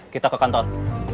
kita ke kantor